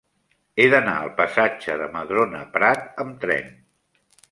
He d'anar al passatge de Madrona Prat amb tren.